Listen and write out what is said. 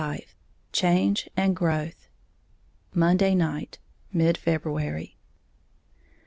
XXV CHANGE AND GROWTH _Monday Night. Mid February.